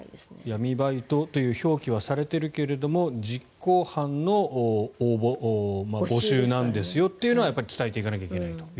闇バイトという表記はされているけども実行犯の募集なんですよというのはやっぱり伝えていかなければいけないと。